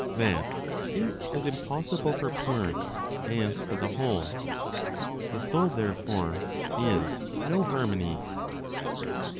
That is as impossible for parts as for the whole. The soul, therefore, is no harmony.